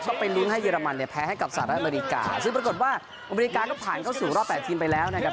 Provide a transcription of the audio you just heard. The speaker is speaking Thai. ก็ไปลุ้นให้เรมันเนี่ยแพ้ให้กับสหรัฐอเมริกาซึ่งปรากฏว่าอเมริกาก็ผ่านเข้าสู่รอบแปดทีมไปแล้วนะครับ